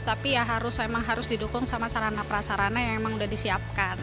tapi ya harus memang harus didukung sama sarana perasarana yang memang sudah disiapkan